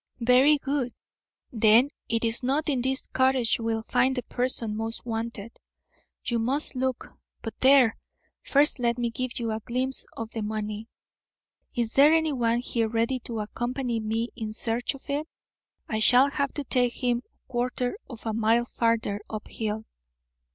"Very good; then it is not in this cottage you will find the person most wanted. You must look But there! first let me give you a glimpse of the money. Is there anyone here ready to accompany me in search of it? I shall have to take him a quarter of a mile farther up hill."